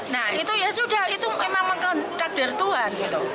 nah itu ya sudah itu memang mengelak takdir tuhan gitu